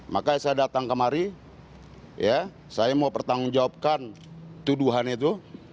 maka saya datang kemari saya mau bertanggung jawabkan tuduhan itu